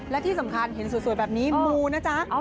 และที่สำคัญเห็นสวยแบบนี้มูนะจ๊ะ